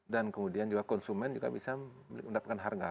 dan kemudian juga konsumen juga bisa mendapatkan harga